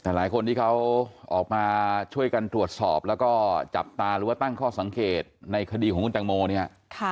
แต่หลายคนที่เขาออกมาช่วยกันตรวจสอบแล้วก็จับตาหรือว่าตั้งข้อสังเกตในคดีของคุณแตงโมเนี่ย